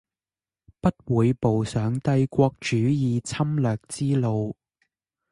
不會步上帝國主義侵略之路